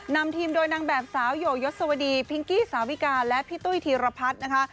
นำทีมโดยนางแบบสาวโยยศวดีพิงกี้สาวิกาและพี่ตุ้ยธีรพัฒน์นะคะ